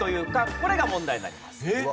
これが問題になります。